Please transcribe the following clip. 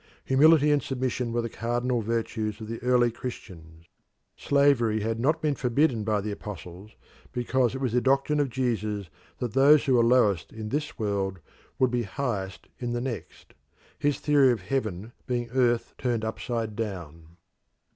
Humility and submission were the cardinal virtues of the early Christians; slavery had not been forbidden by the apostles because it was the doctrine of Jesus that those who were lowest in this world would be highest in the next, his theory of heaven being earth turned upside down.